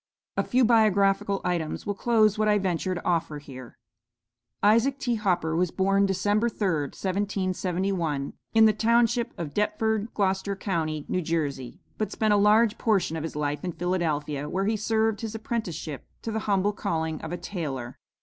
"A few biographical items will close what I venture to offer here. "Isaac T. Hopper was born December 3, 1771, in the township of Deptford, Gloucester county, New Jersey, but spent a large portion of his life in Philadelphia, where he served his apprenticeship to the humble calling of a tailor.